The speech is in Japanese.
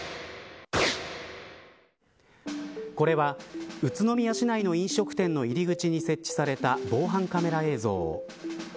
これは宇都宮市内の飲食店の入り口に設置された防犯カメラ映像。